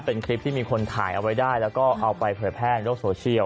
เป็นคลิปที่มีคนถ่ายเอาไว้ได้แล้วก็เอาไปเผยแพร่ในโลกโซเชียล